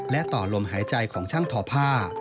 และต่อลมหายใจของช่างทอผ้า